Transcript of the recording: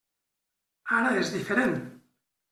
Ara és diferent.